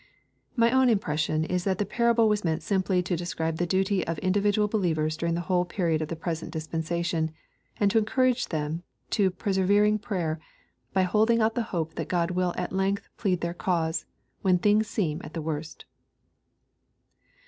LUKE, CHAP. XVIII. 257 My own impression is that the parable was meant simply to de scribe the duty of individual believers during the whole period of the present dispensation, and to encourage them to pereevenng prayer, by holding out the hope that God will at length plead their cause, when things seem at the worst.